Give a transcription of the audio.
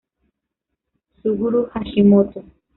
Suguru Hashimoto